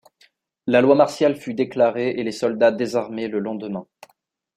La loi martiale fut déclarée et les soldats désarmés le lendemain.